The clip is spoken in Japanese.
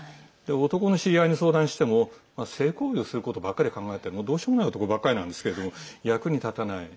男の知り合いに相談しても性行為をすることばかりを考えてどうしようもない男ばかりなんですけれども役に立たない。